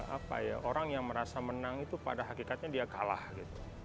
apa ya orang yang merasa menang itu pada hakikatnya dia kalah gitu